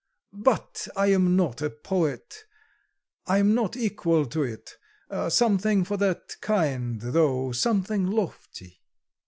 But I am not a poet. I'm not equal to it! Something for that kind, though, something lofty."